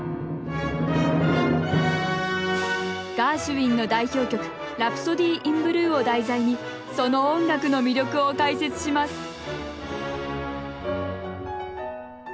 ガーシュウィンの代表曲「ラプソディー・イン・ブルー」を題材にその音楽の魅力を解説します